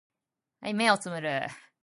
目をつぶる